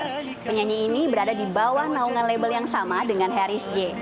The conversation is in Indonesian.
penyanyi ini berada di bawah naungan label yang sama dengan harris j